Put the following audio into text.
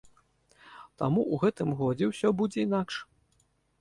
Таму ў гэтым годзе ўсё будзе інакш!